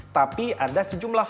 tapi ada sejumlah hal